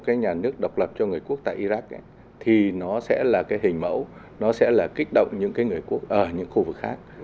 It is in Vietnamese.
nếu mà thành lập một cái nhà nước độc lập cho người quốc tại iraq thì nó sẽ là cái hình mẫu nó sẽ là kích động những cái người quốc ở những khu vực khác